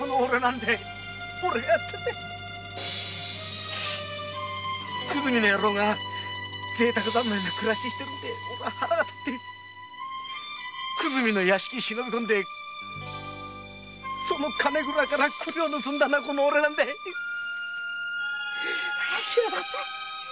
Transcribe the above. オレがやったんだ久住がぜいたく三昧の暮らしをしてるんでオレは腹が立って久住の屋敷に忍び込み金蔵から九両盗んだのはオレなんだ知らなかった。